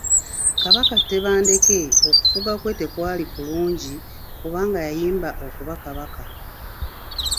Kabaka Tebandeke okufuga kwe tekwali kulungi, kubanga yayimba okuba kabaka.